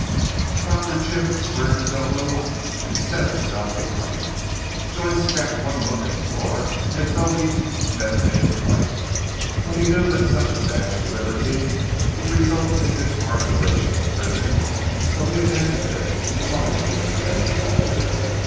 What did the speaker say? Dr. Jim squared his elbows and settled himself to write. Joyce cast one look at the door as though he meditated flight. But he knew that such a dash for liberty would result in his incarceration in prison so he abandoned it and sullenly began to talk.